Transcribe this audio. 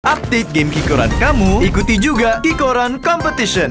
update game kikoran kamu ikuti juga kikoran competition